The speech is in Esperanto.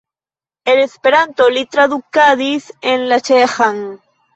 El Esperanto li tradukadis en la ĉeĥan.